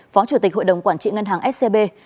phó chủ tịch hội đồng quản trị ngân hàng scb